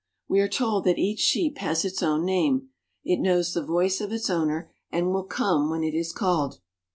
We are told that each sheep has its own name ; it knows the voice of its owner and will come when it is called.